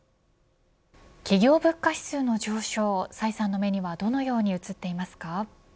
企業物価指数の上昇崔さんの目にはどのように映っていますか。